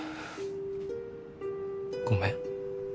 ごめん。